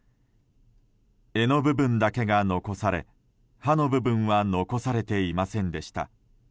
柄の部分だけが残され刃の部分は残されていませんでした。